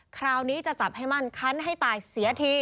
คราวนี้จะจับให้มั่นคันให้ตายเสียที